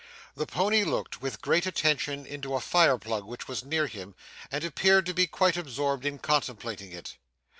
The pony looked with great attention into a fire plug which was near him, and appeared to be quite absorbed in contemplating it.